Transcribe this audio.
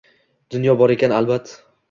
Dunyo bor ekan albat